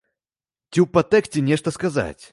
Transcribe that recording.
Ці ў падтэксце нешта сказаць.